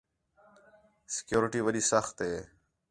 سیکیورٹی وݙّی سخت ہے